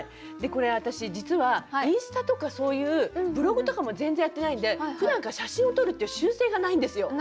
これ私実はインスタとかそういうブログとかも全然やってないんで普段から写真を撮るっていう習性がないんですよ。